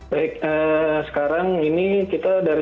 baik sekarang ini kita dari